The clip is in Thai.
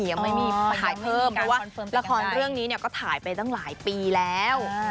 ยังไม่มีถ่ายเพิ่มเพราะว่าละครเรื่องนี้เนี่ยก็ถ่ายไปตั้งหลายปีแล้ว